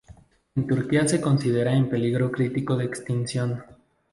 En Turquía se considera en peligro crítico de extinción.